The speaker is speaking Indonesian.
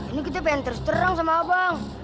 ini kita pengen terus terang sama abang